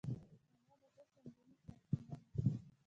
انا د ښو پندونو سرچینه ده